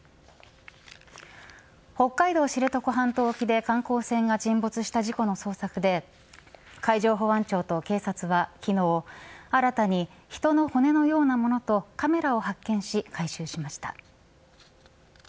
北海道知床半島沖で観光船が沈没した事故の捜索で海上保安庁と警察は新たに人の骨のようなものとカメラを発見し回収しました。